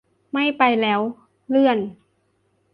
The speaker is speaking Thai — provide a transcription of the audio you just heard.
ไม่ไปแล้ว เลื่อน